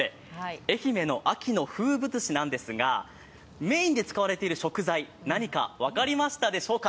愛媛の秋の風物詩なんですが、メインで使われている食材、何か分かりましたでしょうか？